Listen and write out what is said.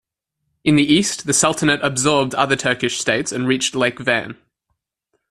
In the east, the sultanate absorbed other Turkish states and reached Lake Van.